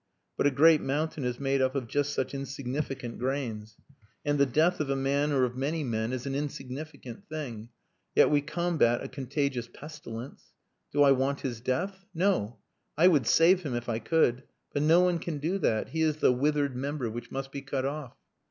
But a great mountain is made up of just such insignificant grains. And the death of a man or of many men is an insignificant thing. Yet we combat a contagious pestilence. Do I want his death? No! I would save him if I could but no one can do that he is the withered member which must be cut off.